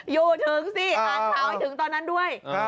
อยู่ถึงสิอ่านข่าวให้ถึงตอนนั้นด้วย